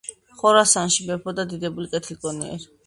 ხორასანში მეფობდა დიდებული, კეთილგონიერი